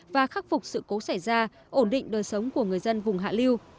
và khắc phục sự cố xảy ra ổn định đời sống của người dân vùng hạ liêu